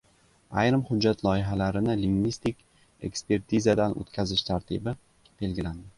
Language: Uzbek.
Ayrim hujjat loyihalarini lingvistik ekspertizadan o‘tkazish tartibi belgilandi